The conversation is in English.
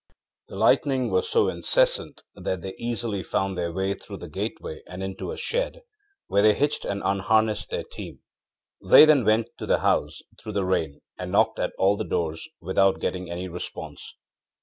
ŌĆØ The lightning was so incessant that they easily found their way through the gateway and into a shed, where they hitched and unharnessed their team. They then went to the house, through the rain, and knocked at all the doors without getting any response.